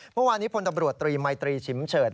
เมื่อวานนี้พลตำรวจตรีมัยตรีฉิมเฉิด